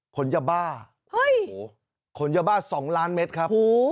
คนจะบ้าเฮ้ยโหคนจะบ้าสองล้านเมตรครับโห